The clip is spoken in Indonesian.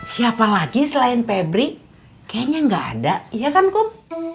siapa lagi selain febri kayaknya gak ada iya kan kum